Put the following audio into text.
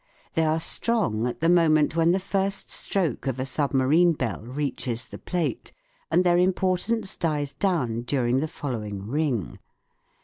They are strong at the moment when the first stroke of a submarine bell reaches the plate, and their import ance dies down during the following ring.